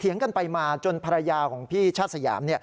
กันไปมาจนภรรยาของพี่ชาติสยาม